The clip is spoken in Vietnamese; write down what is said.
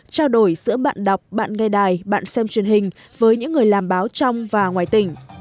trao đổi giữa bạn đọc bạn nghe đài bạn xem truyền hình với những người làm báo trong và ngoài tỉnh